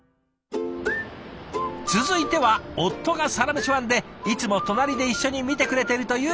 続いては夫が「サラメシ」ファンでいつも隣で一緒に見てくれてるという画伯。